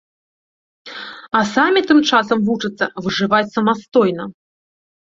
А самі тым часам вучацца выжываць самастойна.